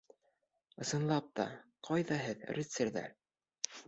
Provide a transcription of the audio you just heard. Ысынлап та, ҡайҙа һеҙ, рыцарҙәр?